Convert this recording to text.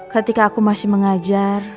ketika aku masih mengajar